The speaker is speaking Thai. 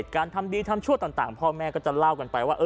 การทำดีทำชั่วต่างพ่อแม่ก็จะเล่ากันไปว่า